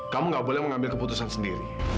kamu gak boleh mengambil keputusan sendiri